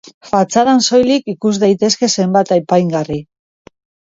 Fatxadan soilik ikus daitezke zenbait apaingarri.